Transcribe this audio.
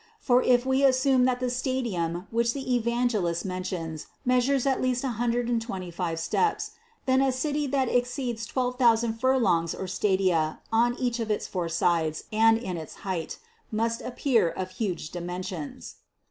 For if we as sume that the stadium which the Evangelist mentions measures at least 125 steps, then a city that extends 12,000 furlongs or stadia on each of its four sides aim in its height, must appear of huge dimensions.